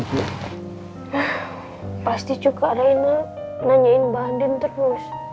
pasti juga reina nanyain mbak andin terus